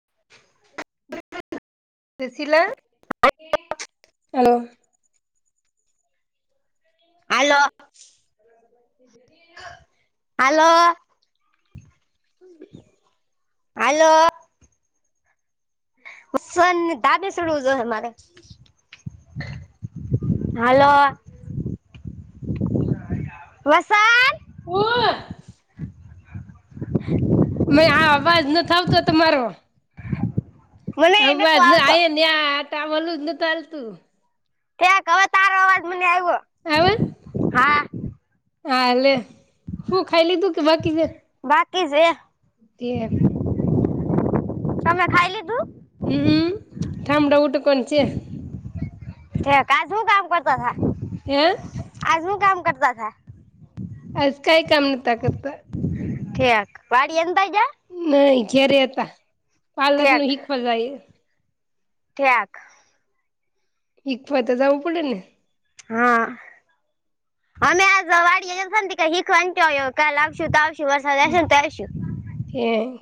[inaudible] બેશી [unintelligible] આલો [unintelligible] [inaudible] આલો- આલો સન દાબે સડવુ મારે. હાલો [unintelligible] વસાત [unintelligible] હુંય- [inaudible] મે આ અવાજ નથી આવતો તમારો. મને નતો અવાજ ન આ આવતો ને આ ન્યા ટવાલ જ નથી હાલ તું- ઠેક હવે તારો અવાજ મને આવ્યો આવે- હા આ લે શું ખાઈ લીધું કે? બાકી છે? બાકી છે. ઘેર- તમે ખાય લીધું? હમ થા ઠામડાં ઉઠકવાના છે. હે કાજ હું કામ કરતાતા. હે આજ હું કામ કરતાતા. આજ કાઈ કામ નથી કરતાતા. ઠેક વાડીએ નતા ગ્યા? નહી ઘેરે હતા. પાર્લર ઠેક નું હિખવા જાયે. ઠેક- હિકવા તો જવું પડે ને. હા આમે આજ વાડીંએ હતા ને શીખવા કાલ લશું તો વરસાદ આય સે ને તો આયશું. હે-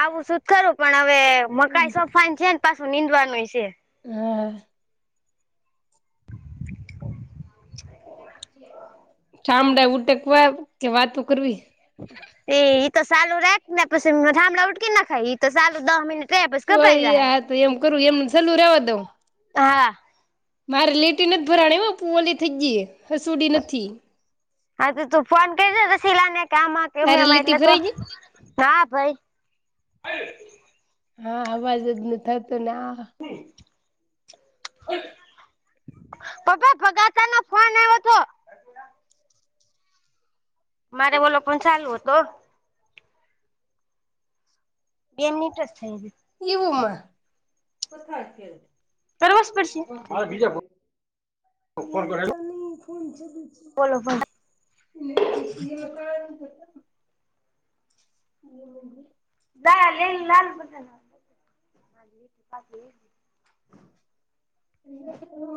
આવું શું જ ખરું પણ હવે મકાઈ સોફાઈન છે ને પાછું નીંદવાનુંય છે. હા ઠામડા ઉટેકવા કે વાતો કરવી. [inaudible] એ ઇ તો સાલુ રાખ, ને પસી ઠામડા ઉઠકી ન ખાઈ તો સાલુ દહ મિ તું એ એમ કરું એમ સાલું રવા દઉં. હા મારે લેટ નથી ભરાણી હ, પું ઓલી થઈ જઈ હસુડી નથી. હા તો તું ફોન કરીજ તો શિલા ને કે આમાં કેમ તારે એમાં લીટી એટલે તો ભરાઈ ગઈ હા ભાઈ- હા અવાજ જ નથી આવાતો ને આ હ [unintelligible] પપ્પા ભગાચ નો ફોન આવ્યો હતો? મારે બોલો પણ ચાલુ હોતો. બેમ ન્ટરસ થાય છે. એવુંમાં- કરવા જ પડશે મા બીજા- ફોન કર બોલતા નહી ફોન ચલે છે. બોલો ફોન [inaudible] [inaudible] ના [unintelligible] [inaudible]